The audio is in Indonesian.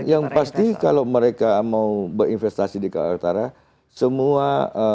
yang pasti kalau mereka mau berinvestasi di kaltara semua